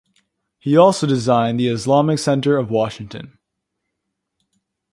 He also designed the Islamic Center of Washington.